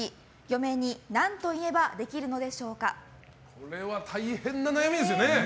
これは大変な悩みですよね。